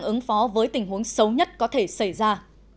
trước diễn biến phó với tình huống xấu nhất có thể xảy ra